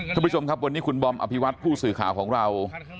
ท่านผู้ชมครับวันนี้คุณบอมอภิวัตผู้สื่อข่าวของเรา